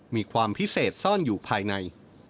มีความพิเศษซ่อนอยู่ภายใน